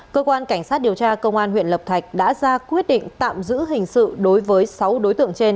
cơ quan cảnh sát điều tra công an huyện lập thạch đã ra quyết định tạm giữ hình sự đối với sáu đối tượng trên